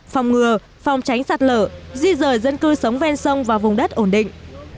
phòng ngừa phòng tránh sạt lở di rời dân cư sống ven sông và vùng đất ổn định